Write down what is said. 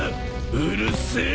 うるせえ！